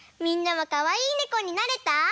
みんなもかわいいねこになれた？